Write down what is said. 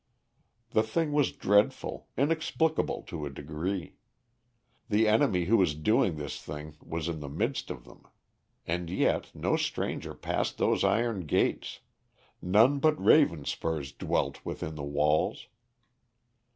The thing was dreadful, inexplicable to a degree. The enemy who was doing this thing was in the midst of them. And yet no stranger passed those iron gates; none but Ravenspurs dwelt within the walls.